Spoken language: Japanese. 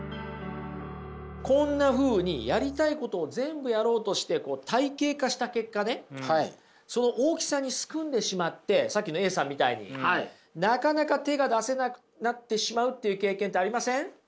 こんなふうにやりたいことを全部やろうとして体系化した結果ねその大きさにすくんでしまってさっきのＡさんみたいになかなか手が出せなくなってしまうっていう経験ってありません？